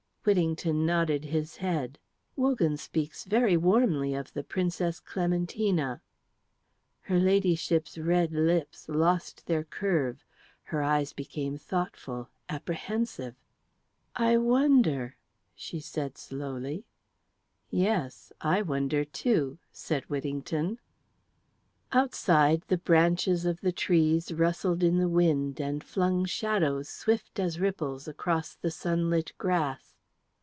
Whittington nodded his head. "Wogan speaks very warmly of the Princess Clementina." Her Ladyship's red lips lost their curve. Her eyes became thoughtful, apprehensive. "I wonder," she said slowly. "Yes, I too wonder," said Whittington. Outside the branches of the trees rustled in the wind and flung shadows, swift as ripples, across the sunlit grass.